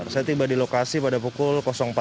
saya tiba di lokasi pada pukul